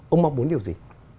ông mong muốn điều gì